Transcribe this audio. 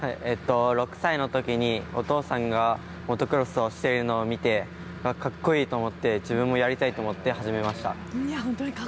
６歳のときにお父さんがモトクロスをしているのを見てかっこいいと思って自分もやりたいと思って始めました。